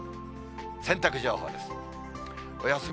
洗濯情報です。